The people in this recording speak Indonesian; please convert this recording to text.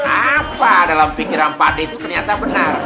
apa dalam pikiran pak ade itu ternyata benar